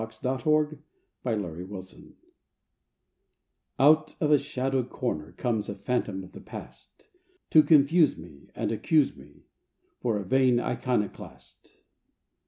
DAY DREAMS ACCUSATION Out of a shadowed corner Comes a phantom of the past, To confuse me And accuse me For a vain iconoclast.